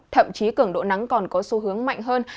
thậm chí cường độ nắng còn có xu hướng mạnh hơn